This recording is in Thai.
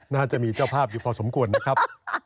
น่าจะมีเจ้าภาพอยู่พอสมควรนะครับ